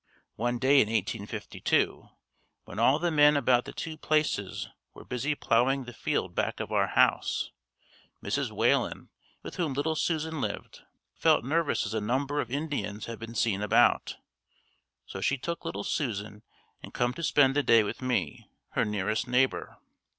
One day in 1852 when all the men about the two places were busy plowing the field back of our house, Mrs. Whalen, with whom little Susan lived, felt nervous as a number of Indians had been seen about, so she took little Susan and come to spend the day with me, her nearest neighbor.